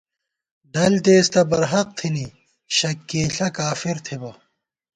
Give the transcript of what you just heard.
ڈل دېس تہ برحق تھنی شک کېئیݪہ کافر تھبہ